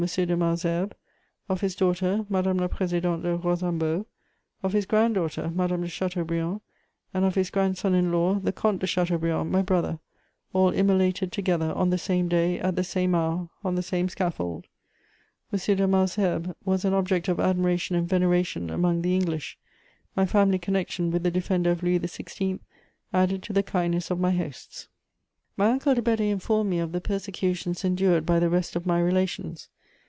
de Malesherbes; of his daughter, Madame la Présidente de Rosanbo; of his granddaughter, Madame de Chateaubriand; and of his grandson in law, the Comte de Chateaubriand, my brother, all immolated together, on the same day, at the same hour, on the same scaffold. M. de Malesherbes was an object of admiration and veneration among the English; my family connection with the defender of Louis XVI. added to the kindness of my hosts. My uncle de Bedée informed me of the persecutions endured by the rest of my relations.